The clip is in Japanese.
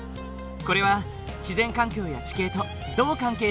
これは自然環境や地形とどう関係しているのだろう？